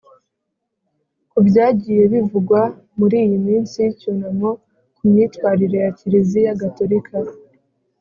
kubyagiye bivugwa muri iyi minsi y’icyunamo ku myitwarire ya kiliziya gatolika